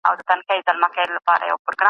ايا خلګ د اسمانونو په خلقت کي فکر نه کوي؟